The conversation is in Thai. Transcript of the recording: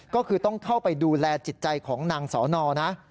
ก็คือต้องเข้าไปดูแลจิตใจของนางสอนอนะ